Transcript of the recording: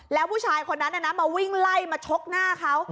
แล้วผู้ชายคนนั้นมาวิ่งไล่มาชกหน้าเขา